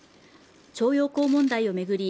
徴用工問題を巡り